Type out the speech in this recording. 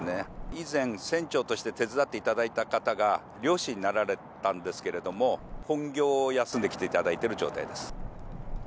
以前、船長として手伝っていただいた方が漁師になられたんですけれども、本業を休んで来ていただいている状態です。